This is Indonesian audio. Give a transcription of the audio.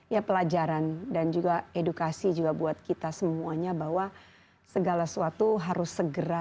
ya pelajaran dan juga edukasi juga buat kita semuanya bahwa segala sesuatu harus segera